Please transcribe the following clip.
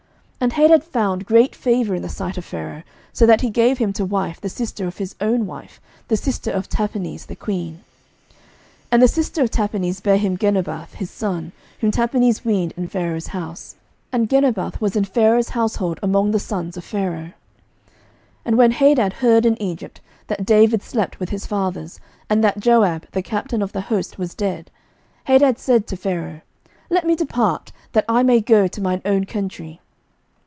11:011:019 And Hadad found great favour in the sight of Pharaoh, so that he gave him to wife the sister of his own wife, the sister of Tahpenes the queen. 11:011:020 And the sister of Tahpenes bare him Genubath his son, whom Tahpenes weaned in Pharaoh's house: and Genubath was in Pharaoh's household among the sons of Pharaoh. 11:011:021 And when Hadad heard in Egypt that David slept with his fathers, and that Joab the captain of the host was dead, Hadad said to Pharaoh, Let me depart, that I may go to mine own country.